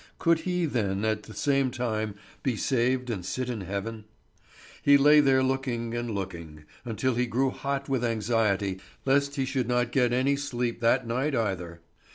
Could he then at the same time be saved and sit in heaven? He lay there looking and looking, until he grew hot with anxiety lest he should not get any sleep that night either.